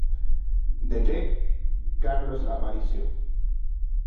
Dt: Carlos Aparicio.